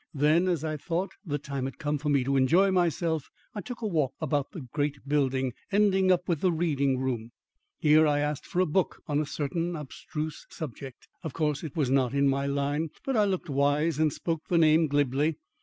Then, as I thought the time had come for me to enjoy myself, I took a walk about the great building, ending up with the reading room. Here I asked for a book on a certain abstruse subject. Of course, it was not in my line, but I looked wise and spoke the name glibly.